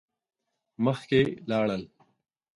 مخکی لاړل.